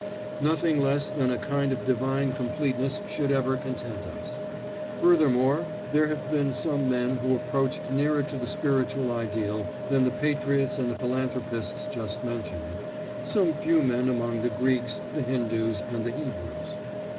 Nothing less than a kind of divine completeness should ever content us. Furthermore, there have been some men who approached nearer to the spiritual ideal than the patriots and the philanthropists just mentioned some few men among the Greeks, the Hindus, and the Hebrews.